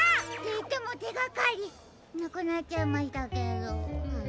いってもてがかりなくなっちゃいましたけど。